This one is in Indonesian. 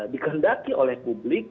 dikendaki oleh publik